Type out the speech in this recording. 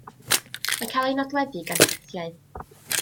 Mae'n cael ei nodweddu gan ffitiau.